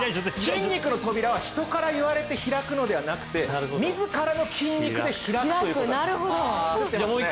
筋肉の扉は人から言われて開くのではなくて自らの筋肉で開くということなんですなるほど